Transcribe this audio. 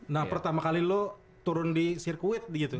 nah pertama kali lo turun di sirkuit gitu